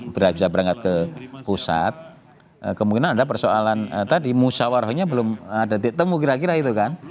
kemudian ke pusat kemudian ada persoalan tadi musawarahnya belum ada ditemu kira kira itu kan